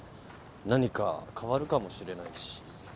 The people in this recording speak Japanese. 何か変わるかもしれないし。